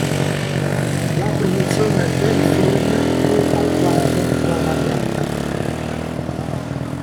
La produzione del film fu alquanto travagliata.